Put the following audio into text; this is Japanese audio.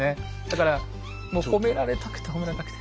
だからもう褒められたくて褒められたくて。